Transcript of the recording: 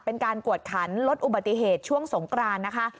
เป็นการกวดขันลดอุบัติเหตุช่วงสงกรานนะคะ